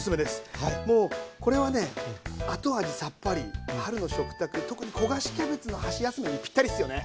もうこれはね後味さっぱり春の食卓特に焦がしキャベツの箸休めにぴったりっすよね。